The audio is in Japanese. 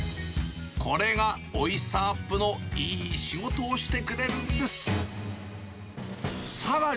これがおいしさアップのいい仕事をしてくれるんです。